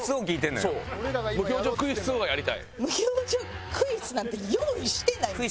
「無表情クイスツ」なんて用意してないですよ。